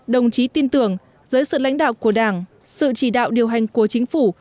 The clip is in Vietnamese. đồng chí tin tưởng dưới sự lãnh đạo của đảng sự chỉ đạo điều hành của chính phủ